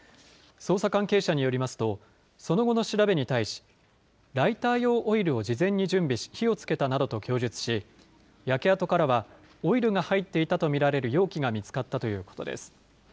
捜査関係者によりますと、その後の調べに対し、ライター用オイルを事前に準備し、火をつけたなどと供述し、焼け跡からはオイルが入っていたと見られる容器が見つかったということです。